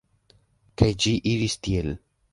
Kaj ĝi iris tiel.